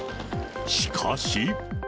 しかし。